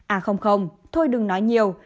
à không không thôi đừng nói nhiều